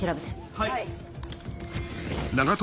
はい。